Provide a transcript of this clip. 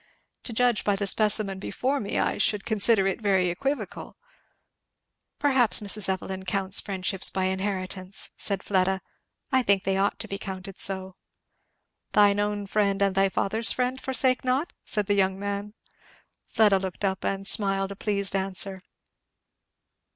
"To judge by the specimen before me I should consider it very equivocal." "Perhaps Mrs. Evelyn counts friendships by inheritance," said Fleda. "I think they ought to be counted so." "'Thine own friend and thy father's friend forsake not'?" said the young man. Fleda looked up and smiled a pleased answer.